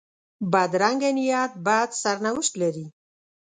بدرنګه نیت بد سرنوشت لري